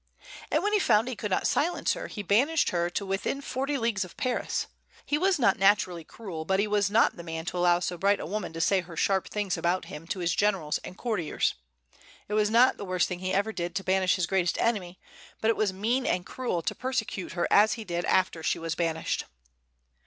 And when he found he could not silence her, he banished her to within forty leagues of Paris. He was not naturally cruel, but he was not the man to allow so bright a woman to say her sharp things about him to his generals and courtiers. It was not the worst thing he ever did to banish his greatest enemy; but it was mean and cruel to persecute her as he did after she was banished.